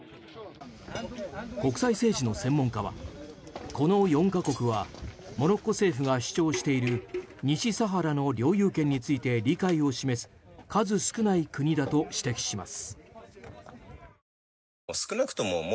国際政治の専門家はこの４か国はモロッコ政府が主張している西サハラの領有権について理解を示す数少ない国だと指摘します。